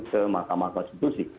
ke mahkamah konstitusi